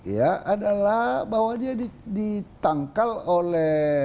ya adalah bahwa dia ditangkal oleh